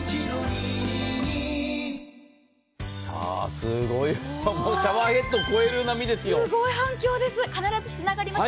すごいシャワーヘッドを超えてますよ。